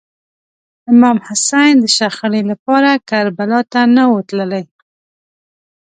امام حسین د شخړې لپاره کربلا ته نه و تللی.